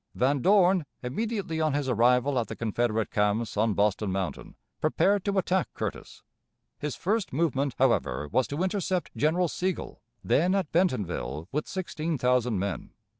Van Dorn, immediately on his arrival at the Confederate camps on Boston Mountain, prepared to attack Curtis. His first movement, however, was to intercept General Sigel, then at Bentonville with sixteen thousand men.